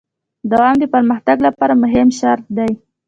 دوام د پرمختګ لپاره مهم شرط دی.